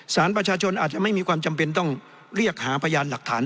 สารประชาชนอาจจะไม่มีความจำเป็นต้องเรียกหาพยานหลักฐาน